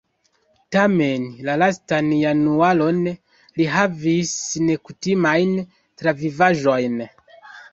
Tamen la lastan januaron li havis nekutimajn travivaĵojn.